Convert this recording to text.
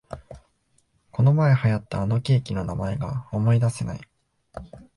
このまえ流行ったあのケーキの名前が思いだせない